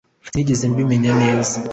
sinigeze mbimenya neza